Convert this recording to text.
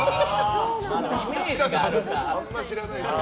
あんま知らないけど。